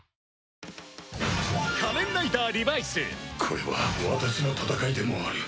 これは私の戦いでもある。